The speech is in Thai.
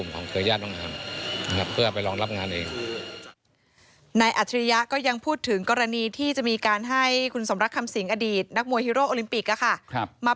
มาเป็นการรับงานแสดงนะครับ